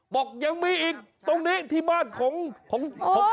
บอกยังมีอีกตรงนี้ที่บ้านของเพราะพวกนี้